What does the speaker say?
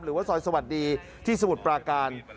หรือว่าซอยสวัสดีที่สมุทรปราการ